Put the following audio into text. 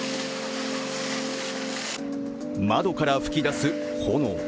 窓から噴き出す炎。